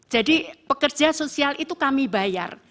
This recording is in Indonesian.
jadi pekerja sosial itu kami bayar